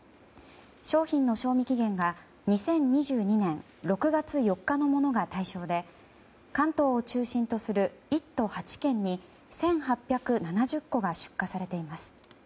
商品の賞味期限は２０２２年６月４日のものが対象で関東を中心とする１都８県に１８７０個が出荷されています。